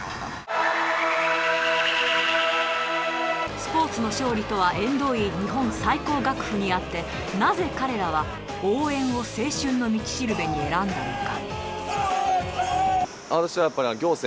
スポ−ツの勝利とは縁遠い日本最高学府にあってなぜ彼らは応援を青春の道しるべに選んだのか。